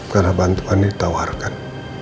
karena bantuan ditawarkan